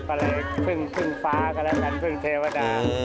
ก็เลยพึ่งฟ้าก็แล้วกันพึ่งเทวดา